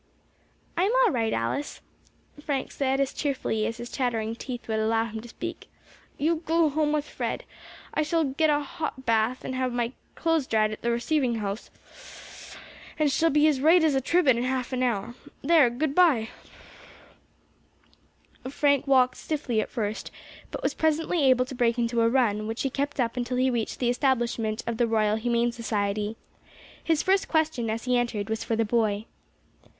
"I am all right, Alice," Frank said, as cheerfully as his chattering teeth would allow him to speak. "You go home with Fred; I shall get a hot bath and have my clothes dried at the receiving house, and shall be as right as a trivet in half an hour. There, good bye!" Frank walked stiffly at first, but was presently able to break into a run, which he kept up until he reached the establishment of the Royal Humane Society. His first question, as he entered, was for the boy.